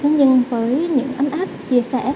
nhưng với những ấm áp chia sẻ